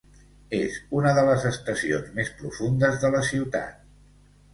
És una de les estacions més profundes de la ciutat.